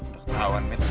udah tau kan mit